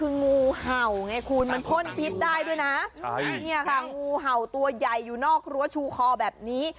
คืองูเห่าไงคุณมันพ่นพิษได้ด้วยนะงูเห่าตัวใหญ่อยู่นอกรั้วชูคอแบบนี้